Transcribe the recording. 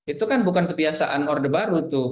itu kan bukan kebiasaan orde baru tuh